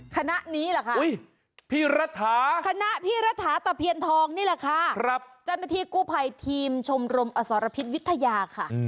คณะนี้ล่ะค่ะคณะพี่รัฐาตะเพียนทองนี่ล่ะค่ะจนที่กู้ภัยทีมชมรมอสรพิษวิทยาค่ะ